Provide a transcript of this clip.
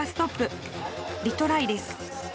リトライです。